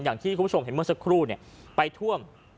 อย่างที่คุณผู้ชมเห็นเมื่อสักครู่ไปท่วม